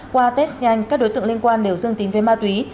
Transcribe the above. qua test nhanh các đối tượng liên quan đều dương tính với ma túy